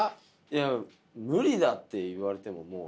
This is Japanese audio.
いや「無理だ」って言われてももう。